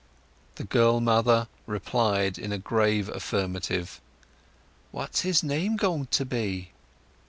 The girl mother replied in a grave affirmative. "What's his name going to be?"